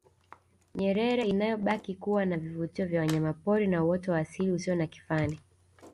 Nyerere inayobaki kuwa na vivutio vya wanyamapori na uoto wa asilia usio na kifani